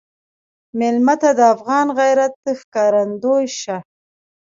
مېلمه ته د افغان غیرت ښکارندوی شه.